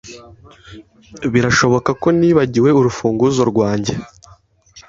Birashoboka ko nibagiwe urufunguzo rwanjye.